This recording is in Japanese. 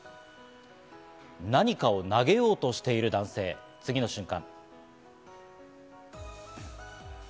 何かを投げようとしている男性、次の瞬間。